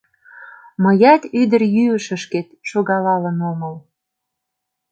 Мыят ӱдырйӱышышкет шогалалын омыл.